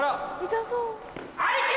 痛そう。